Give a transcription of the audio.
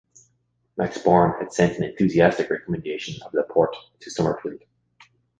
Max Born had sent an enthusiastic recommendation of Laporte to Sommerfeld.